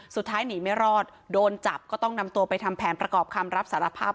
สุดท้ายหนีไม่รอดโดนจับก็ต้องนำตัวไปทำแผนประกอบคำรับสารภาพ